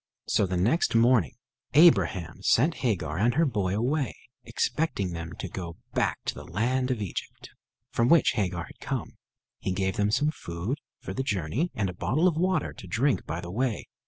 So the next morning Abraham sent Hagar and her boy away, expecting them to go back to the land of Egypt, from which Hagar had come. He gave them some food for the journey, and a bottle of water to drink by the way.